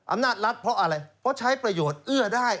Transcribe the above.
อำนาจรัฐเพราะอะไรเพราะใช้ประโยชน์เอื้อได้